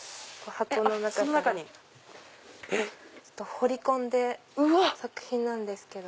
彫り込んだ作品なんですけど。